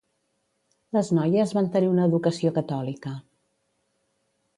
Les noies van tenir una educació catòlica.